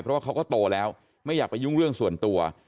เพราะว่าเขาก็โตแล้วไม่อยากไปยุ่งเรื่องส่วนตัว